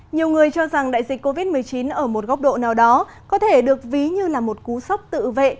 nhiều người cho rằng đại dịch covid một mươi chín ở một góc độ nào đó có thể được ví như là một cú sốc tự vệ